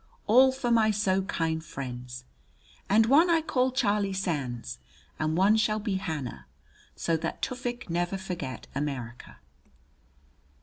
All for my so kind friends. And one I call Charlie Sands; and one shall be Hannah. So that Tufik never forget America."